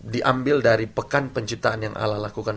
diambil dari pekan penciptaan yang allah lakukan